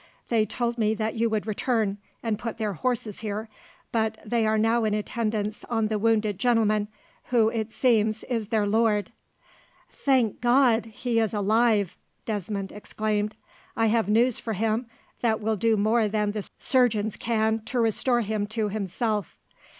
They told me that you would return, and put their horses here, but they are now in attendance on the wounded gentleman, who, it seems, is their lord." "Thank God, he is alive!" Desmond exclaimed. "I have news for him that will do more than the surgeons can to restore him to himself."